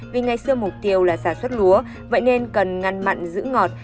vì ngày xưa mục tiêu là sản xuất lúa vậy nên cần ngăn mặn giữ ngọt